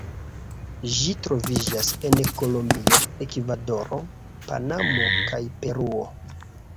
Ĝi troviĝas en Kolombio, Ekvadoro, Panamo, kaj Peruo.